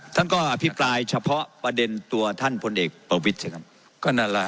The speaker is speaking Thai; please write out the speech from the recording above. ท่านก็อภิปรายเฉพาะประเด็นตัวท่านพลเอกประวิทย์สิครับก็นั่นแหละ